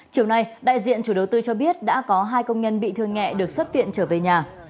chiều nay đại diện chủ đầu tư cho biết đã có hai công nhân bị thương nhẹ được xuất viện trở về nhà